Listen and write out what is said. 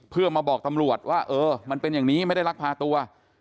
เพื่อมาบอกตำรวจว่าเออมันเป็นอย่างนี้ไม่ได้ลักพาตัว